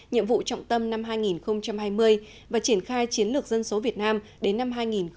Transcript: nhiệm vụ trọng tâm năm hai nghìn hai mươi và triển khai chiến lược dân số việt nam đến năm hai nghìn ba mươi